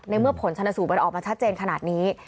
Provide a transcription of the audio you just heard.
เมื่อผลชนสูตรมันออกมาชัดเจนขนาดนี้